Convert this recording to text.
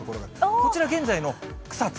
こちら、現在の草津。